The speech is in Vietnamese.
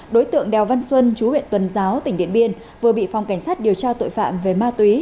đối tượng đèo văn xuân chú huyện tuần giáo tỉnh điện biên vừa bị phòng cảnh sát điều tra tội phạm về ma túy